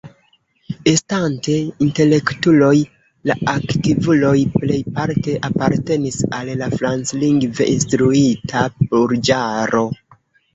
Estante intelektuloj, la aktivuloj plejparte apartenis al la franclingve instruita burĝaro.